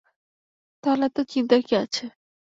তাহলে এত চিন্তার কি আছে?